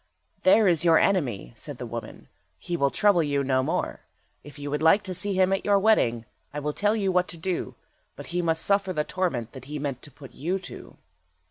"There is your enemy," said the woman, "he will trouble you no more. If you would like to see him at your wedding, I will tell you what to do, but he must suffer the torment that he meant to put you to."